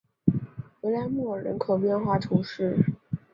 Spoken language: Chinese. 维莱莫尔人口变化图示